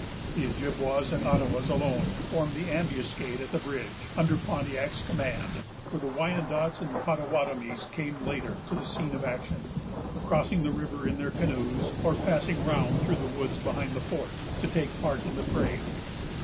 The Ojibwas and Ottawas alone formed the ambuscade at the bridge, under Pontiac's command; for the Wyandots and Pottawattamies came later to the scene of action, crossing the river in their canoes, or passing round through the woods behind the fort, to take part in the fray.